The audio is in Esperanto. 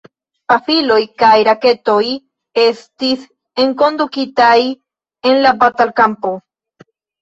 Pafiloj kaj raketoj estis enkondukitaj en la batalkampo.